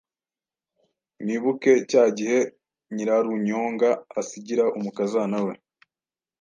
Mwibuke cya gihe Nyirarunyonga asigira umukazana we